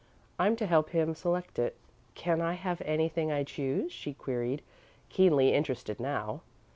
I'm to help him select it." "Can I have anything I choose?" she queried, keenly interested now.